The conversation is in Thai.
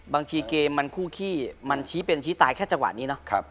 บางทีเกมมันคู่ขี้มันชี้เป็นชี้ตายแค่จังหวะนี้เนาะ